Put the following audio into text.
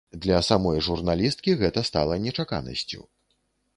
Для самой журналісткі гэта стала нечаканасцю.